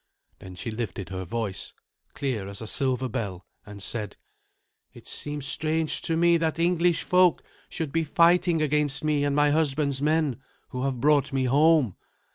Then she lifted her voice, clear as a silver bell, and said, "It seems strange to me that English folk should be fighting against me and my husband's men who have brought me home.